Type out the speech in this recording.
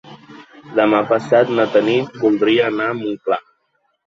Demà passat na Tanit voldria anar a Montclar.